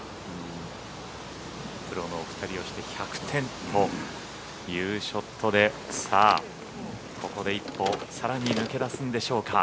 プロのお２人をして１００点というショットでさあ、ここで一歩さらに抜け出すんでしょうか。